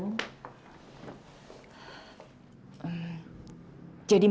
jadi maksud ibu ibu ini nyari saya